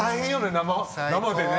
生でね。